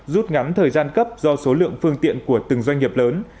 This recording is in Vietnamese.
rút ngắn thời gian cấp do số lượng phương tiện của từng doanh nghiệp lớn